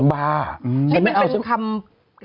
ว่าข้อตาย